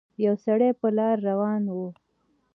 يو سړی په لاره روان وو